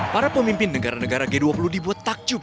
para pemimpin negara negara g dua puluh dibuat takjub